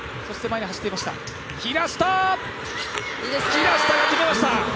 平下が決めました！